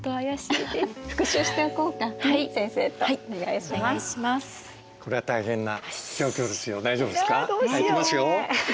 さあいきますよ！